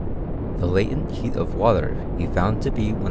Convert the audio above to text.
The latent heat of water, he found to be 150".